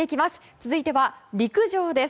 続いては陸上です。